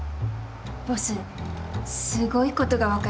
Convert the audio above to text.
ボスすごいことがわかりました。